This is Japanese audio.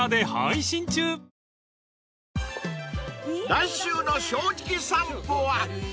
［来週の『正直さんぽ』は］